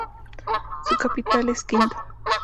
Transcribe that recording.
Su capital es Quinto.